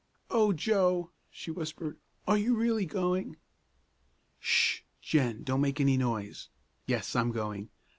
"O Joe!" she whispered, "are you really going?" "'Sh! Jen, don't make any noise. Yes, I'm going.